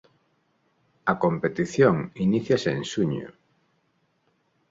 A competición iníciase en xuño.